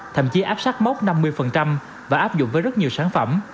thậm chí áp sát mốc năm mươi và áp dụng với rất nhiều sản phẩm